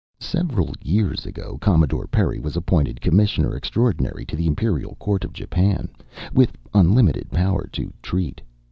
Several years ago Commodore Perry was appointed Commissioner Extraordinary to the Imperial Court of Japan, with unlimited power to treat.